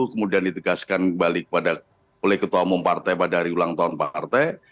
kemudian ditegaskan kembali oleh ketua umum partai pada hari ulang tahun partai